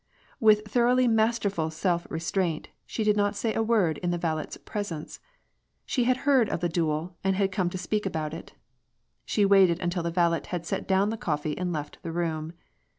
With thor oughly masterful self restraint, she did not say a word in the valet's presence. 8he had heard of the duel, and had come to speak about it. She waited until the valet had set down the coffee and left the room.